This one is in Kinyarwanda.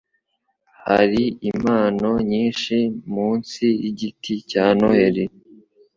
Hariho impano nyinshi munsi yigiti cya Noheri.